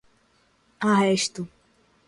arresto